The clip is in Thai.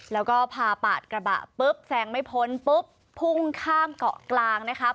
แล้วก็พาปาดกระบะปุ๊บแซงไม่พ้นปุ๊บพุ่งข้ามเกาะกลางนะครับ